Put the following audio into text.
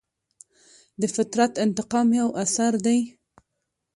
د فطرت انتقام یو اثر دی.